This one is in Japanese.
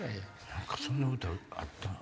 何かそんな歌あったな。